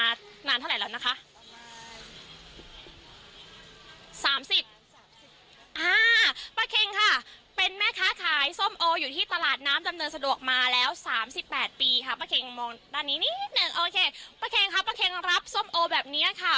อันนี้นิดหนึ่งโอเคป้าเค้งค่ะป้าเค้งรับส้มโอแบบเนี้ยค่ะ